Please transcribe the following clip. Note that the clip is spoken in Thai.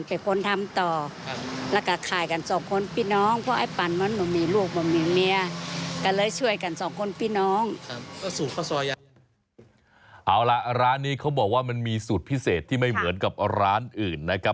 เอาล่ะร้านนี้เขาบอกว่ามันมีสูตรพิเศษที่ไม่เหมือนกับร้านอื่นนะครับ